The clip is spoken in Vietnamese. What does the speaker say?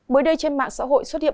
mới đây trên mạng xã hội xuất hiện